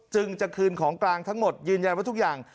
จึงจะคืนของกลางทั้งหมดยืนยันว่าทุกอย่าง